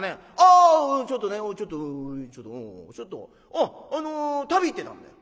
「あちょっとねちょっとちょっとちょっと旅行ってたんだよ」。